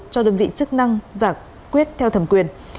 cho đơn vị chức năng giải quyết theo thẩm quyền